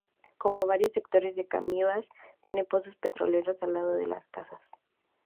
Como varios sectores de Cabimas tiene pozos petroleros al lado de las casas.